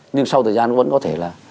nhưng sau thời gian vẫn có thể là